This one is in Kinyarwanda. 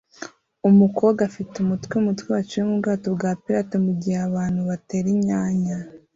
Umukobwa afite umutwe mumutwe waciwe mubwato bwa pirate mugihe abantu batera inyanya